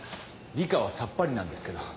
理科はさっぱりなんですけど。